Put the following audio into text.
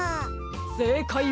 せいかいは。